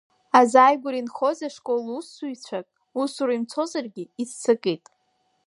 Азааигәара инхоз ашкол аусзуҩцәак усура имцозаргьы иццакит.